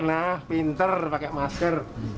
nah pinter pakai masker